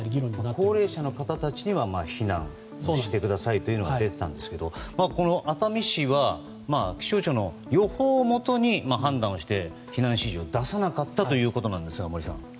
高齢者の方たちには避難をしてくださいというのは出てたんですけど熱海市は気象庁の予報をもとに判断をして避難指示を出さなかったということなんですが、森さん。